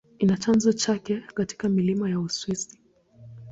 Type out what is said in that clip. Ina chanzo chake katika milima ya Uswisi.